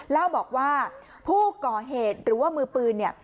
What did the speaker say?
เล่าบอกว่าผู้ก่อเหตุหรือว่ามือปืนเนี่ย